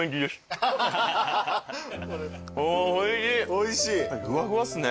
おいしい。